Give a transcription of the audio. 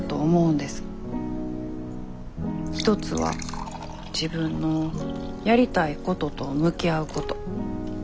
一つは「自分のやりたいことと向き合うこと」。